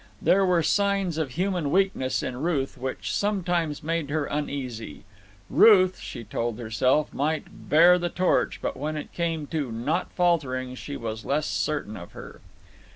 There were signs of human weakness in Ruth which sometimes made her uneasy. Ruth, she told herself, might "bear the torch," but when it came to "not faltering" she was less certain of her.